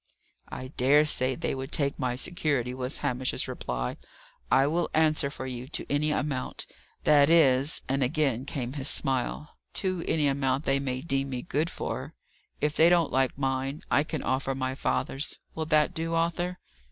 "I dare say they would take my security," was Hamish's reply. "I will answer for you to any amount. That is," and again came his smile, "to any amount they may deem me good for. If they don't like mine, I can offer my father's. Will that do, Arthur?"